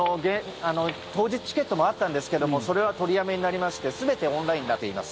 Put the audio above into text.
当日チケットもあったんですけどそれは取りやめになりまして全てオンラインになっています。